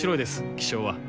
気象は。